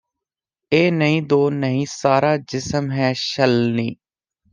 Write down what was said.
ਏਕ ਨਹੀਂ ਦੋ ਨਹੀਂ ਸਾਰਾ ਜਿਸਮ ਹੈ ਛਲਨੀ